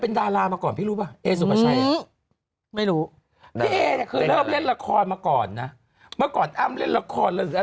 เออคู่ละครไปมาสั่งอยู่แล้ว